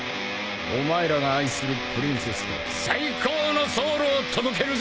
お前らが愛するプリンセスと最高のソウルを届けるぜ！